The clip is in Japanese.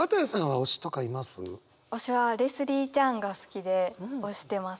推しはレスリー・チャンが好きで推してます。